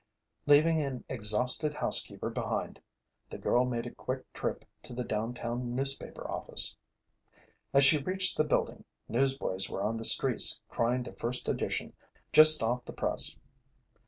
Leaving an exhausted housekeeper behind, the girl made a quick trip to the downtown newspaper office. As she reached the building, newsboys were on the streets crying the first edition, just off the press.